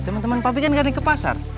temen temen bobby kan gak ada yang ke pasar